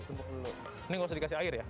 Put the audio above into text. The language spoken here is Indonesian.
ini gausah dikasih air ya